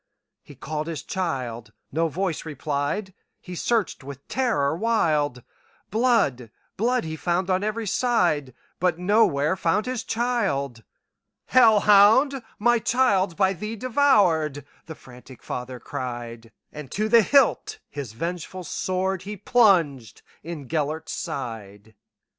He called his child,—no voice replied,—He searched with terror wild; Blood, blood, he found on every side, But nowhere found his child."Hell hound! my child 's by thee devoured,"The frantic father cried; And to the hilt his vengeful swordHe plunged in Gêlert's side.